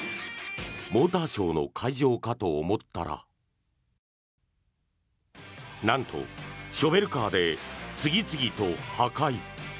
モーターショーの会場かと思ったらなんと、ショベルカーで次々と破壊。